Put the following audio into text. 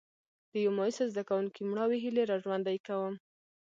د یو مایوسه زده کوونکي مړاوې هیلې را ژوندي کوم.